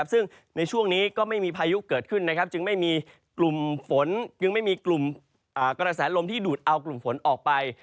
ซึ่งในช่วงนี้ก็ไม่มีพายุเกิดขึ้นจึงไม่มีกลุ่มกร้าแสลมที่ดูดเอากลุ่มฝนออกไป